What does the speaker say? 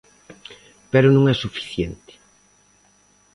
Pero non é suficiente.